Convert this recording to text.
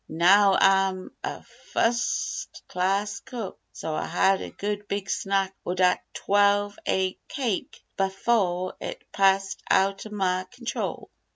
Now Ah'm a fust class cook so Ah had a good big snack o' dat twelve aig cake befoh it passed outen my control!"